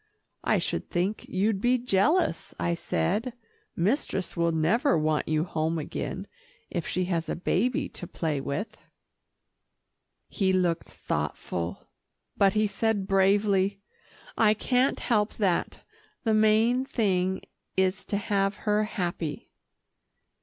"I should think you'd be jealous," I said. "Mistress will never want you home again, if she has a baby to play with." He looked thoughtful, but he said bravely, "I can't help that. The main thing is to have her happy."